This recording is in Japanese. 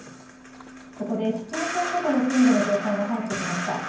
ここで市町村ごとの震度の情報が入ってきました。